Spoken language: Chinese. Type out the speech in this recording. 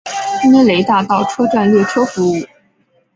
涅雷大道车站列车服务。